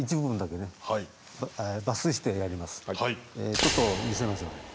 ちょっと見せますので。